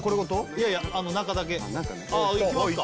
いやいやあの中だけああいきますか・